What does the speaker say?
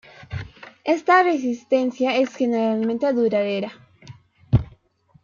Esta resistencia es generalmente duradera.